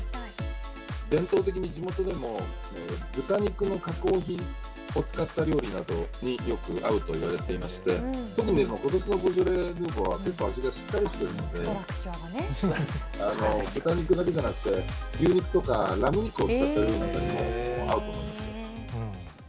伝統的に地元でも、豚肉の加工品を使った料理などによく合うといわれていまして、特に、ことしのボジョレ・ヌーボーは結構味がしっかりしてるので、豚肉だけじゃなくて、牛肉とかラム肉を使った料理なんかにも合うと思います。